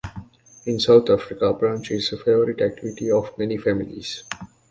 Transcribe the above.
In South Africa, brunch is a favourite activity of many families.